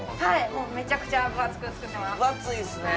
もうめちゃくちゃ分厚く作ってます